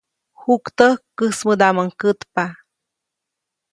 Juktäjk käjsmädaʼmuŋ kätpa.